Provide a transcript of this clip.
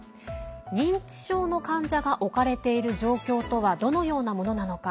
認知症の患者が置かれている状況とは、どのようなものなのか。